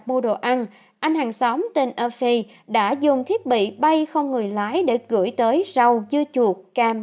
mua đồ ăn anh hàng xóm tên offi đã dùng thiết bị bay không người lái để gửi tới rau dưa chuột cam